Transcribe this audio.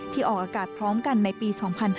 ออกอากาศพร้อมกันในปี๒๕๕๙